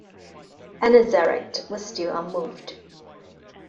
Anaxarete was still unmoved.